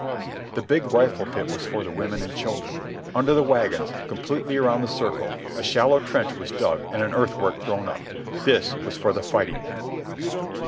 The big rifle pit was for the women and children. Under the wagons, completely around the circle, a shallow trench was dug and an earthwork thrown up. This was for the fighting men.